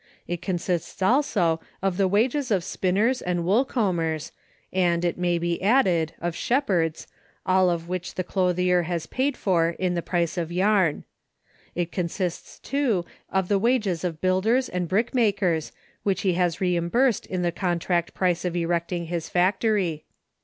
It consists also of the wages of spinners and wool combers, and, it may be added, of shepherds, all of which the clothier has paid for in the price of yarn. It consists, too, of the wages of builders and brick makers, which he has reimbursed in the contract price of erecting his factory.